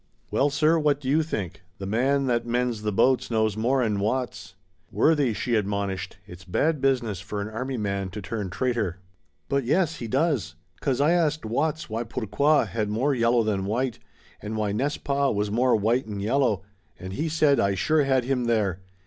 "Well sir, what do you think? The man that mends the boats knows more 'an Watts!" "Worthie," she admonished, "it's bad business for an army man to turn traitor." "But yes, he does. 'Cause I asked Watts why Pourquoi had more yellow than white, and why N'est ce pas was more white 'an yellow, and he said I sure had him there.